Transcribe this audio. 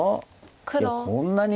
いやこんなに。